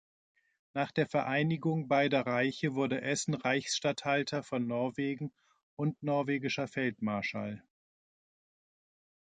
Nach der Vereinigung beider Reiche wurde Essen Reichsstatthalter von Norwegen und norwegischer Feldmarschall.